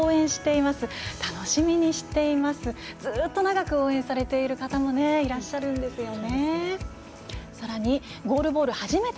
ずっと長く応援されている方もいらっしゃるんですよね。